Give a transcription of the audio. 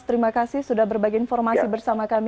terima kasih sudah berbagi informasi bersama kami